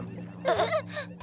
えっ？